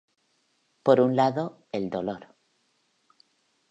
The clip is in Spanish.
Por un lado, el dolor.